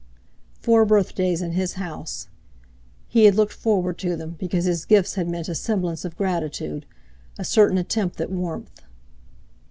Four birthdays in his house. He had looked forward to them, because his gifts had meant a semblance of gratitude, a certain attempt at warmth.